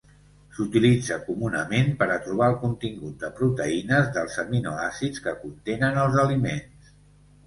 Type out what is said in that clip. S'utilitza comunament per a trobar el contingut de proteïnes dels aminoàcids que contenen els aliments.